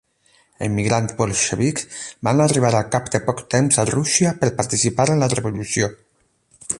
Emigrants bolxevics van arribar al cap de poc temps a Rússia per participar en la revolució.